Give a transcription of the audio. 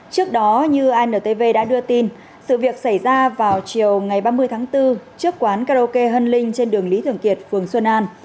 trước đó như antv đã đưa tin sự việc xảy ra vào chiều ngày ba mươi tháng bốn trước quán karaoke hân linh trên đường lý thường kiệt phường xuân an